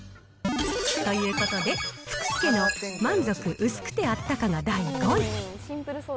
ということで、福助の満足うすくてあったかが第５位。